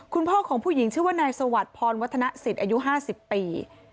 คุณพ่อของผู้หญิงชื่อว่านายสวัสดิ์พรวัฒนสิทธิ์อายุ๕๐ปี